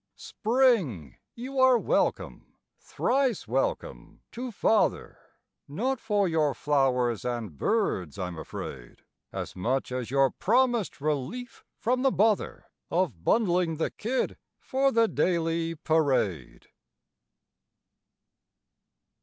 Spring, you are welcome, thrice welcome to father; Not for your flowers and birds, I'm afraid, As much as your promised relief from the bother Of bundling the kid for the daily parade.